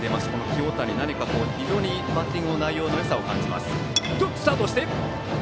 清谷は非常にバッティングの内容のよさを感じます。